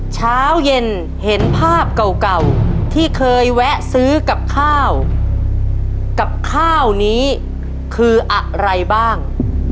เช้าเย็นเห็นภาพเก่าที่เคยแวะซื้อกับข้าวกับข้าวนี้คืออะไรบ้าง